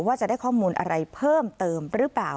ว่าจะได้ข้อมูลอะไรเพิ่มเติมหรือเปล่า